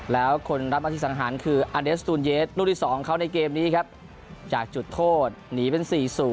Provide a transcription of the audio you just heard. แล้วคนรับมาที่สังหารคืออเดสตูนเยสลูกที่๒เขาในเกมนี้ครับจากจุดโทษหนีเป็น๔๐